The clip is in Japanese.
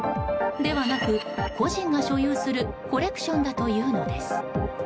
ではなく、個人が所有するコレクションだというのです。